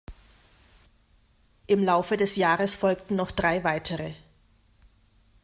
Im Laufe des Jahres folgten noch drei weitere.